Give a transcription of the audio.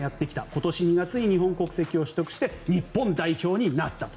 今年２月に日本国籍を取得して日本代表になったと。